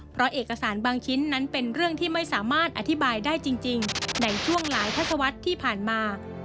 เพราะเอกสารบางชิ้นนั้นเป็นเรื่องที่ไม่สามารถอธิบายได้จริงในช่วงหลายทัศวรรษที่ผ่านมา